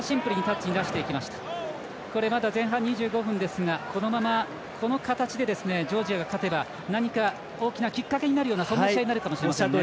まだ前半２５分ですがこのまま、この形でジョージアが勝てば何か、大きなきっかけになるような試合になるかもしれないですね。